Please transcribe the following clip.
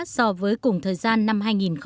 so với cùng thời gian năm hai nghìn một mươi bảy